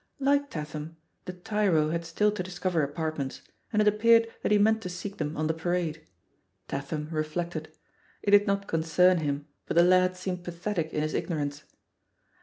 Like Tatham, the tyro had still to discover apartments, and it appeared that he meant to seek them on the Parade. Tatham reflected. It ETHE POSITION OF PEGGY HARPER 43 3id not concern him, but the lad seemed pathetic in his ignorance.